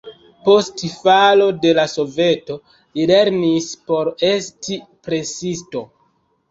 Post falo de la Soveto li lernis por esti presisto.